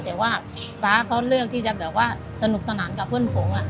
แต่ว่าป๊าเลือกจะแบบสนุกสนานกับเพื่อนผง